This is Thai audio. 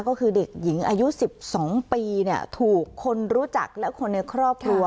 ก็คือเด็กหญิงอายุ๑๒ปีถูกคนรู้จักและคนในครอบครัว